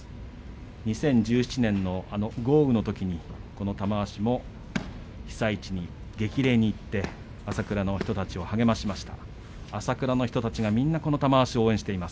２０１７年の豪雨のときに玉鷲も被災地に激励に行って浅倉の人たちを励ましました。